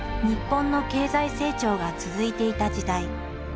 日本の経済成長が続いていた時代。